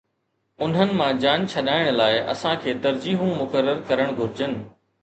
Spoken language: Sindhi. انهن مان جان ڇڏائڻ لاءِ اسان کي ترجيحون مقرر ڪرڻ گهرجن.